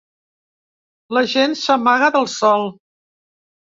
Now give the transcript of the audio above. La gent s’amaga del sol.